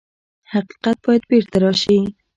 حقیقت باید بېرته راشي.